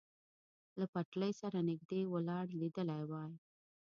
له پټلۍ سره نږدې ولاړ لیدلی وای.